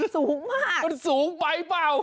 สูงมากมันสูงไปเปล่า